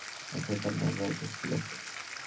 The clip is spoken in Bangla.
আচ্ছা, তার নাম রাজেশ, ঠিক আছে?